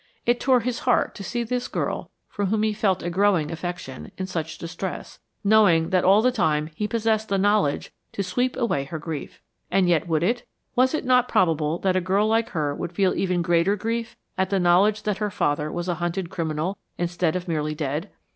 It tore his heart to see this girl, for whom he felt a growing affection, in such distress, knowing that all the time he possessed the knowledge to sweep away her grief. And yet would it? Was it not probable that a girl like her would feel even greater grief at the knowledge that her father was a hunted criminal instead of merely dead?